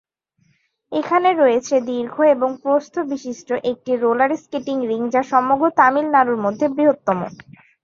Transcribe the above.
এখানে রয়েছে দীর্ঘ এবং প্রস্থ বিশিষ্ট একটি রোলার স্কেটিং রিং, যা সমগ্র তামিলনাড়ুর মধ্যে বৃহত্তম।